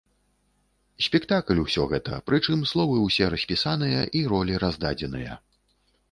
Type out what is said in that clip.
Спектакль усё гэта, прычым словы ўсе распісаныя і ролі раздадзеныя.